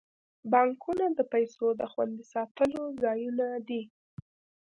بانکونه د پیسو د خوندي ساتلو ځایونه دي.